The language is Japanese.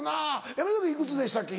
山崎君いくつでしたっけ？